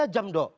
tiga jam doh